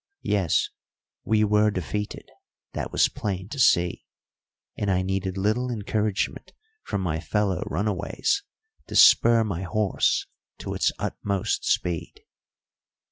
Yes, we were defeated; that was plain to see, and I needed little encouragement from my fellow runaways to spur my horse to its utmost speed.